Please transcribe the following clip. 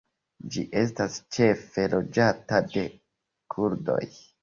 Ĝi estas ĉefe loĝata de kurdoj.